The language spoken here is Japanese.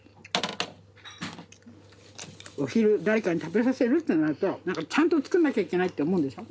お昼誰かに食べさせるってなるとちゃんと作んなきゃいけないって思うんでしょ。